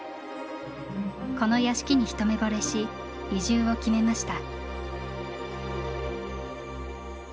この屋敷に一目ぼれし移住を決めました。